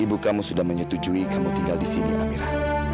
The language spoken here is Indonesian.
ibu kamu sudah menyetujui kamu tinggal di sini amirah